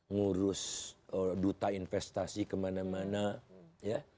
ngurus duta investasi kemana mana ya